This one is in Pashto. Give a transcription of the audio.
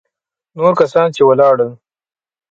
نور کسان چې ولاړل.